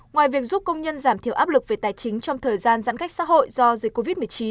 ngoài việc giúp công nhân giảm thiểu áp lực về tài chính trong thời gian giãn cách xã hội do dịch covid một mươi chín